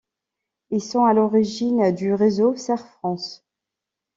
Ils sont à l'origine du réseau Cerfrance.